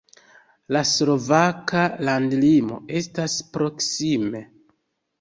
La slovaka landlimo estas proksime.